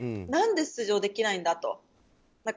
何で出場できないんだと。